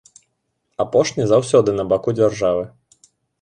Апошні заўсёды на баку дзяржавы.